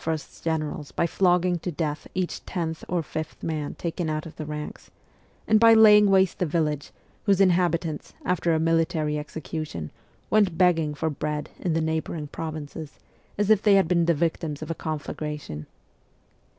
's generals by flogging to death each tenth or fifth man taken out of the ranks, and by laying waste the village, whose inhabitants, after a military execution, went begging for bread in the neighbouring provinces, as if they had been the victims of a conflagration.